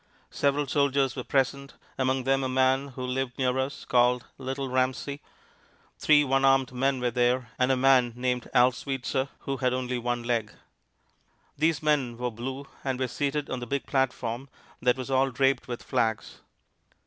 Several soldiers were present, among them a man who lived near us, called "Little Ramsey." Three one armed men were there, and a man named Al Sweetser, who had only one leg. These men wore blue, and were seated on the big platform that was all draped with flags.